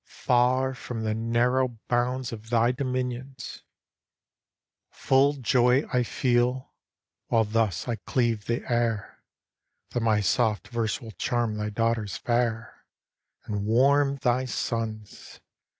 Far from the narrow bounds of thy dominions. TO MV BROTHER GEORGE 313 Full jo}' I feel, while thus I cleave the air, That my soft verse will charm thy daughters fair, And warm thy sons!"